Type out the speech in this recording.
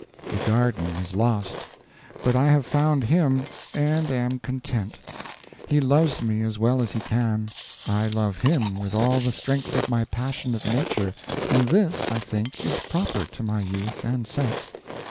The Garden is lost, but I have found him, and am content. He loves me as well as he can; I love him with all the strength of my passionate nature, and this, I think, is proper to my youth and sex.